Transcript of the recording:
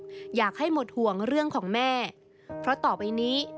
ว่าอยากให้น้องงากฆ่ามี